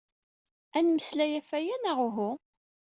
Ad nemmeslay ɣef waya neɣ uhu?